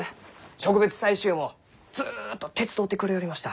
植物採集もずっと手伝うてくれよりました。